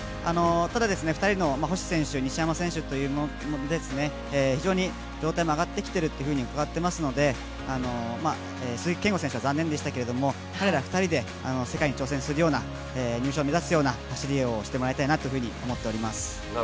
ただ２人の星選手、西山選手が非常に状態も上がってきていると伺っていますので鈴木健吾選手は残念でしたけど、彼ら２人でー世界に挑戦するような、入賞を目指すような走りをしてもらいたいなと思っています。